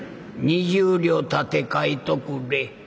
「２０両立て替えとくれ」。